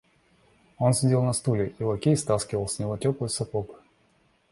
Он сидел на стуле, и лакей стаскивал с него теплый сапог.